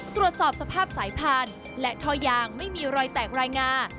ตรวจสอบสภาพสายพานและท่อยางไม่มีรอยแตกรายงา